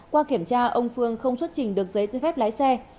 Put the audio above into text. qua kiểm tra ông phương không xuất trình được giấy tư phép lái xe